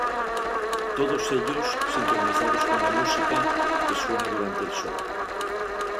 Todos ellos sincronizados con la música que suena durante el show.